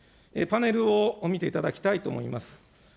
パネルを見ていただきたいと思います。